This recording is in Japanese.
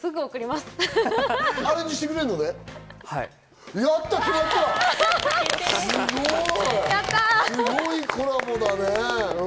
すごいコラボだね。